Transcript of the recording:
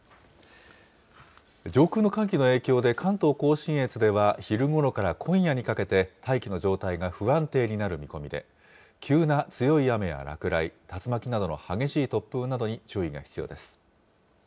上空の寒気の影響で、関東甲信越では昼ごろから今夜にかけて、大気の状態が不安定になる見込みで、急な強い雨や落雷、竜巻などの激しい突風などに注意が必要です。